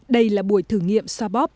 đây là buổi thử nghiệm so bóp